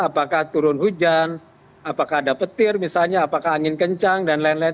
apakah turun hujan apakah ada petir misalnya apakah angin kencang dan lain lain